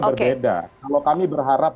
berbeda kalau kami berharap